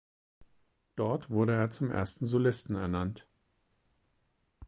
Dort wurde er zum Ersten Solisten ernannt.